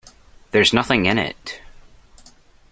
There's nothing in it.